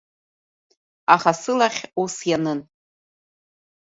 Аха сылахь ус ианын…